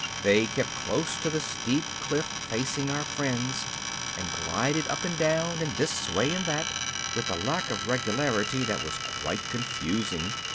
They kept close to the steep cliff facing our friends, and glided up and down, and this way and that, with a lack of regularity that was quite confusing.